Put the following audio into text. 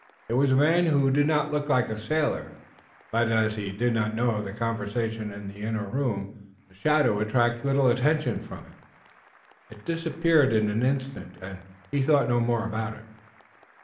It was a man who did not look like a sailor, but as he did not know of the conversation in the inner room the shadow attracted little attention from him. It disappeared in an instant, and he thought no more about it.